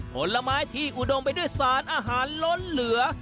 ผลไม้ที่อุดมไปด้วยสารอาหารล้นเหลือ